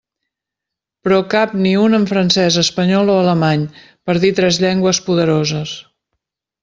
Però cap ni un en francès, espanyol o alemany, per dir tres llengües poderoses.